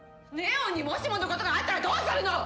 祢音にもしものことがあったらどうするの！？